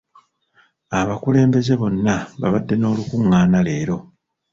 Abakulembeze bonna babadde n'olukungaana leero.